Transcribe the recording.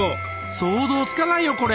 想像つかないよこれ。